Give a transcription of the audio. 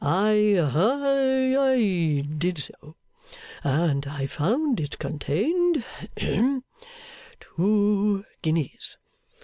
I ha I did so; and I found that it contained ahem two guineas.